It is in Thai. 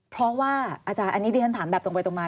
เพราะว่าอาจารย์อันนี้ดิฉันถามแบบตรงไปตรงมา